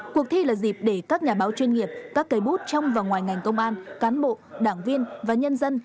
cuộc thi là dịp để các nhà báo chuyên nghiệp các cây bút trong và ngoài ngành công an cán bộ đảng viên và nhân dân